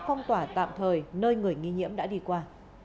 phong tỏa tạm thời nơi người nghi nhiễm đã đi qua